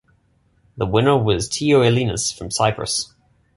The winner was Tio Ellinas from Cyprus.